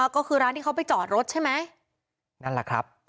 ก็คือร้านที่เขาไปจอดรถใช่ไหมนั่นแหละครับ